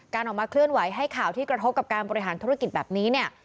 ออกมาเคลื่อนไหวให้ข่าวที่กระทบกับการบริหารธุรกิจแบบนี้เนี่ย